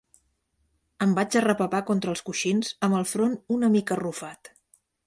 Em vaig arrepapar contra els coixins amb el front una mica arrufat.